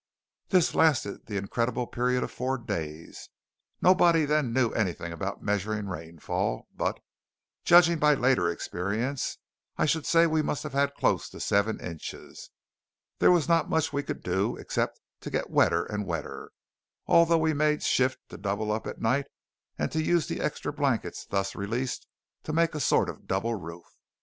This lasted the incredible period of four days! Nobody then knew anything about measuring rainfall; but, judging by later experience, I should say we must have had close to seven inches. There was not much we could do, except to get wetter and wetter, although we made shift to double up at night, and to use the extra blankets thus released to make a sort of double roof.